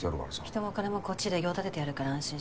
人も金もこっちで用立ててやるから安心しな。